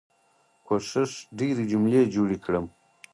کوښښ ډيرې جملې جوړې کړم.